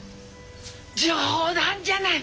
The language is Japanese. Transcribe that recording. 冗談じゃない！